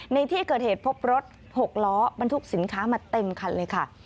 ในที่เกิดเหตุพบรถ๖ล้อบรรทุกสินค้ามาเต็มคันเลยค่ะ